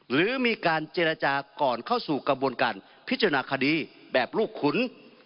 หรือมีการเจรจาก่อนเข้าสู่กระบวนการพิจารณาคดีแบบลูกขุน